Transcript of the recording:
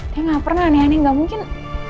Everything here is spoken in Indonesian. dia gak pernah aneh aneh gak mungkin